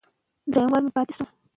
که ډوډۍ وي نو کمزوري نه وي.